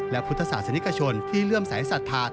และพุทธศาสนิกชนที่เลื่อมสายศรัทธา